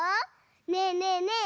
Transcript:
ねえねえねえ！